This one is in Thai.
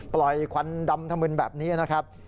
ปล่อยควันดำธรรมินแบบนี้นะครับ